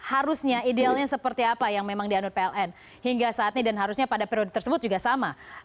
harusnya idealnya seperti apa yang memang dianur pln hingga saat ini dan harusnya pada periode tersebut juga sama